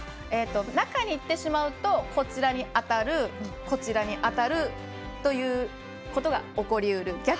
中にいってしまうとこちらに当たるこちらに当たるということが起こり得ると。